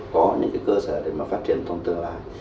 có những cơ sở để phát triển thông tương lại